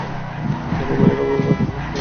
আর উমাইরের অবয়বে আগ্রহ-ও স্থীরতা প্রতিভাত হল।